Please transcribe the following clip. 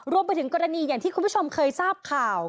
รวมไปถึงกรณีอย่างที่คุณผู้ชมเคยทราบข่าว